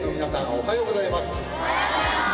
おはようございます。